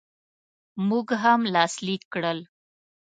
موږ هم لاسلیک کړل.